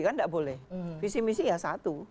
kan tidak boleh visi misi ya satu